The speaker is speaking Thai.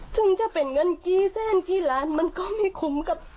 ซึ่งจะเป็นเงินกี่แสนกี่ล้านมันก็ไม่คุ้มกับ